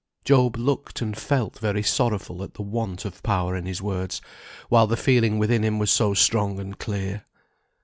Job looked and felt very sorrowful at the want of power in his words, while the feeling within him was so strong and clear.